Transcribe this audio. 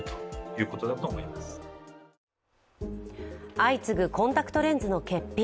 相次ぐコンタクトレンズの欠品。